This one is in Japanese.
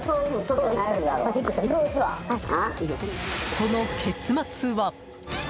その結末は。